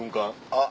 あっ。